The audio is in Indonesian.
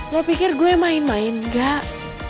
lo pikir gue main main enggak